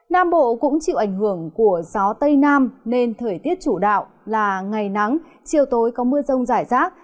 nam bộ cũng chịu ảnh hưởng của gió tây nam nên thời tiết chủ đạo là ngày nắng chiều tối có mưa rông rải rác